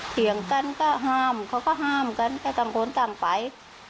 เถียงกันก็ห้ามเขาก็ห้ามกันก็ต่างคนต่างไป